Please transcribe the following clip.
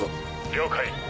了解！